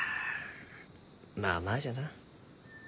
まあまあじゃな。